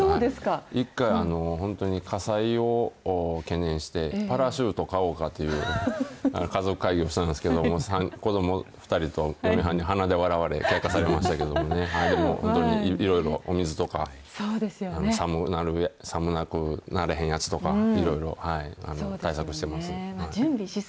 一回、本当に火災を懸念して、パラシュート買おうかという家族会議をしたんですけども、子ども２人と嫁はんに鼻で笑われ、冷やかされましたけど、でも本当に、いろいろお水とか、寒くならへんやつとかいろいろ対策してます。